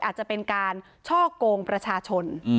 อาจจะเป็นการช่อกงประชาชน